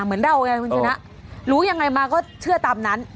เหมือนเราอย่างงี้นะอ๋อรู้ยังไงมาก็เชื่อตามนั้น